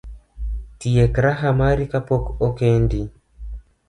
Tiek raha mari kapok okendi